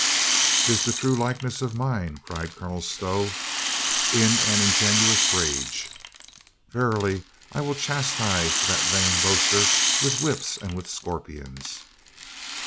"'Tis the true likeness of mine!" cried Colonel Stow, in an ingenuous rage. "Verily, I will chas tise that vain boaster with whips and with scorpions.